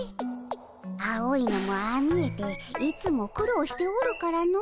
青いのもああ見えていつもくろうしておるからの。